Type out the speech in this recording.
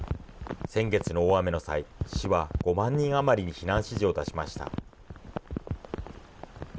先月の大雨の際、市は５万人余りに避難指示を出しました。